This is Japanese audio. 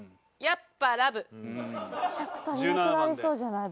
尺足りなくなりそうじゃない？